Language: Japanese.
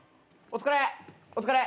お疲れ。